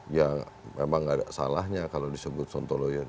ya memang nggak ada salahnya kalau disebut sonto lawyer